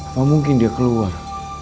apa mungkin dia keluar